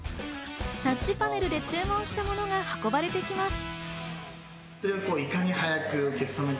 タッチパネルで注文したものが運ばれてきます。